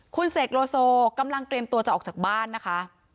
คุณเสกโลโซกำลังเตรียมตัวจะออกจากบ้านนะคะ